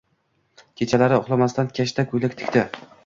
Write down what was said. Kechalari uxlamasdan kashta, ko`ylak tikdi